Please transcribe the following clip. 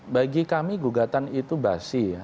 bagi kami gugatan itu basi ya